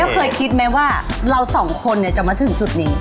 เคยคิดไหมว่าเราสองคนจะมาถึงจุดนี้